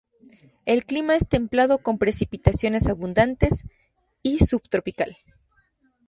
El clima es templado con precipitaciones abundantes, y subtropical.